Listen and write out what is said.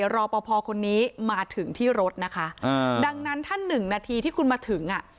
รอปภคนนี้มาถึงที่รถนะคะอ่าดังนั้นถ้าหนึ่งนาทีที่คุณมาถึงอ่ะ